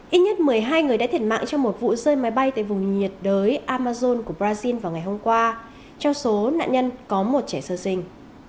ít nhất một mươi hai người đã thiệt mạng trong một vụ rơi máy bay tại vùng nhiệt đới amazon của brazil vào ngày hôm qua cho số nạn nhân có một trẻ sơ sinh